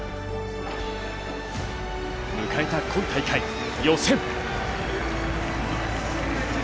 迎えた今大会予選。